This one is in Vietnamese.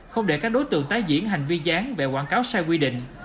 không để các đối tượng tái diễn hành vi gián về quảng cáo sai quy định